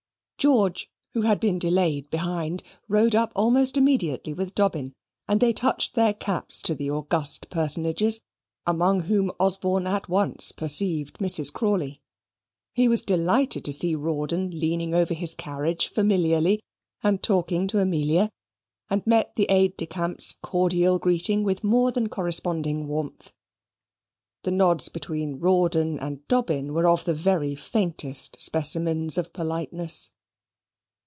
George, who had been delayed behind, rode up almost immediately with Dobbin, and they touched their caps to the august personages, among whom Osborne at once perceived Mrs. Crawley. He was delighted to see Rawdon leaning over his carriage familiarly and talking to Amelia, and met the aide de camp's cordial greeting with more than corresponding warmth. The nods between Rawdon and Dobbin were of the very faintest specimens of politeness.